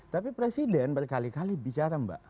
tapi presiden berkali kali bicara mbak